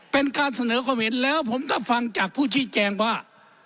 เป็นการเสนอความเห็นแล้วผมก็ฟังจากผู้ชี้แจงว่า